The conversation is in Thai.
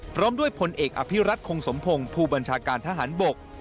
พร้อมด้วยพลเอกอภิรัตคงสมพงศ์ผู้บัญชาการทหารบก